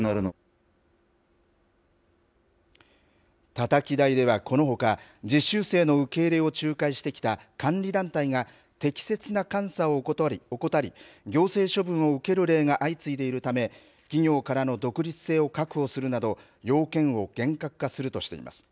たたき台ではこのほか、実習生の受け入れを仲介してきた監理団体が適切な監査を怠り、行政処分を受ける例が相次いでいるため、企業からの独立性を確保するなど、要件を厳格化するとしています。